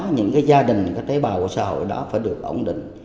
những cái gia đình những cái tế bào của xã hội đó phải được ổn định